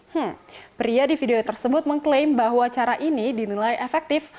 hmm pria di video tersebut mengklaim bahwa cara ini dinilai efektif